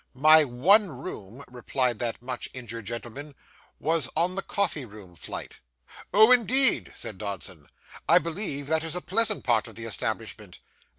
'My one room,' replied that much injured gentleman, 'was on the coffee room flight.' 'Oh, indeed!' said Dodson. 'I believe that is a very pleasant part of the establishment.